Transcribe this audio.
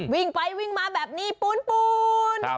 วิ่งไปวิ่งมาแบบนี้ปูน